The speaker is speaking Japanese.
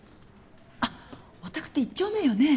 あっお宅って１丁目よね？